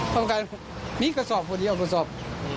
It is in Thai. ทำการมีกระสอบพอดีเอากระสอบ